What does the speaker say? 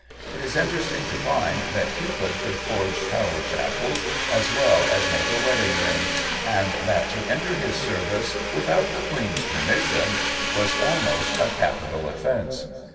It is interesting to find that Cupid could forge Tower shackles as well as make a wedding ring, and that to enter his service without the Queen's permission was almost a capital offence.